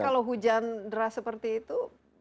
tapi kalau hujan deras seperti itu